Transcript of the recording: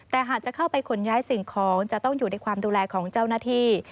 แต่หากจะเข้าไปขนย้ายสิ่งของจะต้องอยู่ในความดูแลของเจ้าหน้าที่